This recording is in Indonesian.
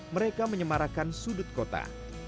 mereka menyemarakan sudut kota